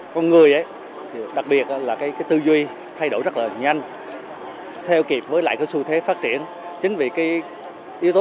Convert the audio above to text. con người đặc biệt là tư duy thay đổi rất nhanh theo kịp với lại xu thế phát triển chính vì yếu tố